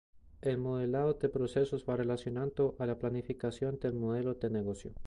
El modelado de procesos va relacionado a la planificación del modelo de negocio.